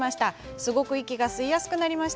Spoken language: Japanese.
すごく息が吸いやすくなりました。